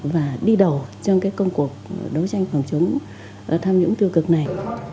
và đi đầu trong cái công cuộc đấu tranh phòng chống tham nhũng tiêu cực này